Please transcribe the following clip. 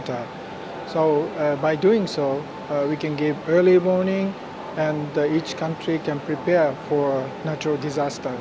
berdasarkan strategi digitalisasi bagaimana jepang sebagai ais berperan untuk membuat ini